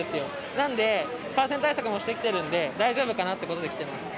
なんで、感染対策もしてきてるんで、大丈夫かなということで来てます。